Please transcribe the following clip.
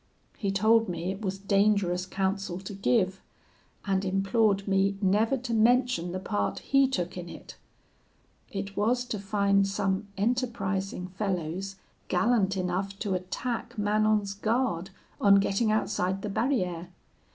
He told me it was dangerous counsel to give, and implored me never to mention the part he took in it; it was to find some enterprising fellows gallant enough to attack Manon's guard on getting outside the barriere.